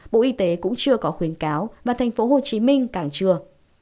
bộ y tế cũng chưa có khuyến cáo và tp hcm càng chưa